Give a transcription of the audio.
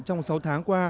trong sáu tháng qua